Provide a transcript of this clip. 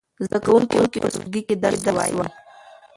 زده کوونکي اوس په ټولګي کې درس وايي.